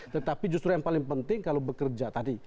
tetapi justru yang paling penting kalau bekerja tadi